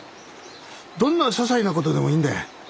どんなささいな事でもいいんだ。